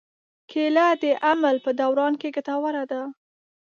کېله د حمل په دوران کې ګټوره ده.